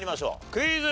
クイズ。